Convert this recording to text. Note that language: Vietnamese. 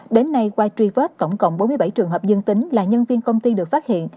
đến nay qua truy vết tổng cộng bốn mươi bảy trường hợp dương tính là nhân viên công ty được phát hiện